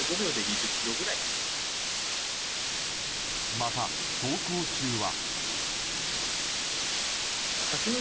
また、走行中は。